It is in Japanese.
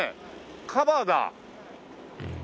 カバーだ。